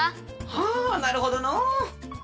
はあなるほどのう。